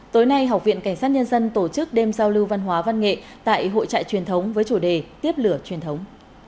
tối nay học viện cảnh sát nhân dân tổ chức đêm giao lưu văn hóa văn nghệ tại hội trại truyền thống với chủ đề tiếp lửa truyền thống